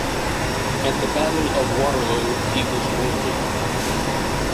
At the Battle of Waterloo he was wounded.